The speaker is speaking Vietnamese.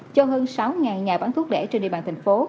cho hơn sáu nhà bán thuốc lễ trên địa bàn thành phố